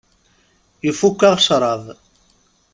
Ifukk-aɣ ccrab.